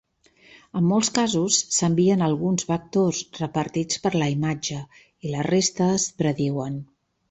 En molts casos, s'envien alguns vectors repartits per la imatge i la resta es prediuen.